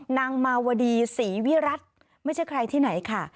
นางมาวดีศรีวิรัติไม่ใช่ใครที่ไหนค่ะ